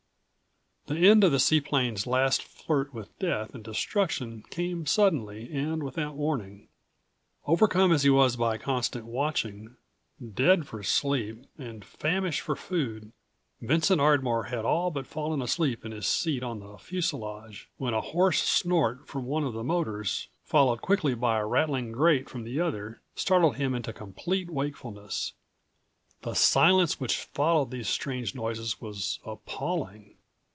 The end of the seaplane's last flirt with death and destruction came suddenly and without warning. Overcome as he was by constant watching, dead for sleep and famished for food, Vincent Ardmore had all but fallen asleep in his seat on the fuselage when a hoarse snort from one of the motors, followed quickly by a rattling grate from the other, startled him into complete wakefulness. The silence which followed these strange noises was appalling.